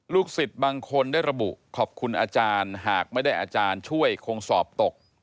สิทธิ์บางคนได้ระบุขอบคุณอาจารย์หากไม่ได้อาจารย์ช่วยคงสอบตก